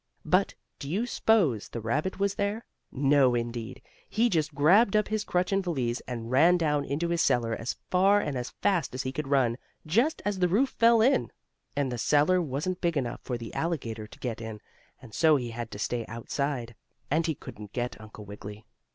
But do you s'pose the rabbit was there? No, indeed. He just grabbed up his crutch and valise, and ran down into his cellar as far and as fast as he could run, just as the roof fell in. And the cellar wasn't big enough for the alligator to get in, and so he had to stay outside, and he couldn't get Uncle Wiggily.